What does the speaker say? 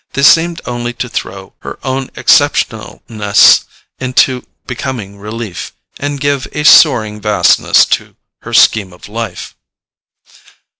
They seemed only to throw her own exceptionalness into becoming relief, and give a soaring vastness to her scheme of life.